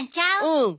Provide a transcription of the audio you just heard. うん。